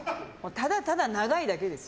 ただただ、長いからです。